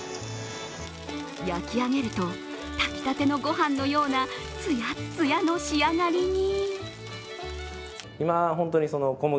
焼き上げると、炊きたての御飯のようなつやっつやの仕上がりに。